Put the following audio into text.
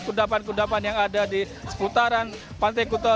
kudapan kudapan yang ada di seputaran pantai kuta